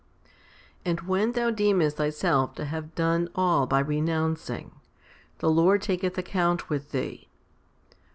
8. And when thou deemest thyself to have done all by renouncing, the Lord taketh account with thee.